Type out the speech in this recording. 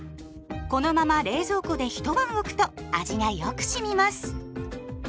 このまま冷蔵庫で一晩おくと味がよく染みます。